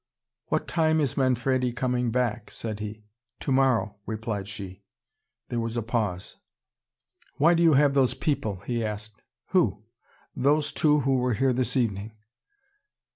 "What time is Manfredi coming back?" said he. "Tomorrow," replied she. There was a pause. "Why do you have those people?" he asked. "Who?" "Those two who were here this evening."